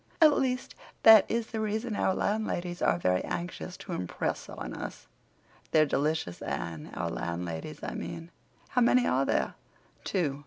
At least, that is the reason our landladies are very anxious to impress on us. They're delicious, Anne—our landladies, I mean." "How many are there?" "Two.